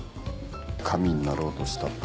神になろうとしたって。